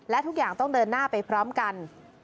และทุกอย่างต้องเดินหน้าไปพร้อมกัน